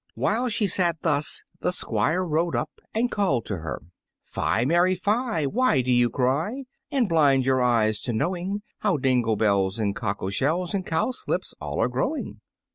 While she sat thus the Squire rode up, and called to her "Fie, Mary, fie! Why do you cry, And blind your eyes to knowing How dingle bells and cockle shells And cowslips all are growing?"